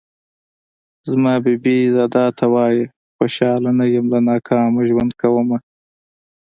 زما بې بې دادا ته وايه خوشحاله نه يم له ناکامه ژوند کومه